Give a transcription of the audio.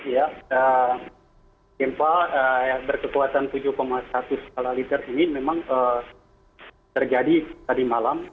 ya gempa berkekuatan tujuh satu skala liter ini memang terjadi tadi malam